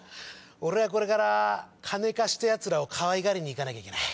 俺はこれから金貸した奴らをかわいがりに行かなきゃいけない。